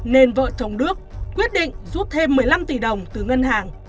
nên vợ chồng đức quyết định rút thêm một mươi năm tỷ đồng từ ngân hàng